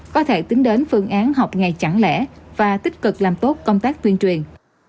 có thể tính đến phương án học ngày chẳng lẽ và tích cực làm tốt công tác tuyên truyền